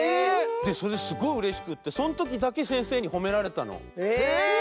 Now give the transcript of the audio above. それですごいうれしくってそのときだけせんせいにほめられたの。